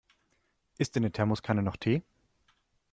Ist in der Thermoskanne noch Tee?